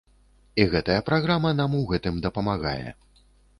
І гэтая праграма нам у гэтым дапамагае.